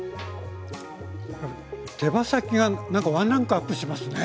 手羽先がなんかワンランクアップしますね。